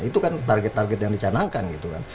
itu kan target target yang dicanangkan gitu kan